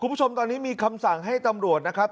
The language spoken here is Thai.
คุณผู้ชมตอนนี้มีคำสั่งให้ตำรวจนะครับ